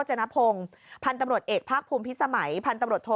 จนพงศ์พันธุ์ตำรวจเอกภาคภูมิพิสมัยพันธุ์ตำรวจโท